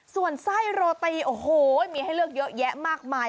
ส่วนไส้โรตีโอ้โหมีให้เลือกเยอะแยะมากมาย